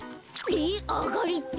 えっあがりって？